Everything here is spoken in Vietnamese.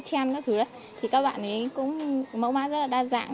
các thứ đấy thì các bạn ấy cũng mẫu mã rất là đa dạng